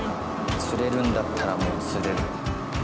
釣れるんだったらもう釣る。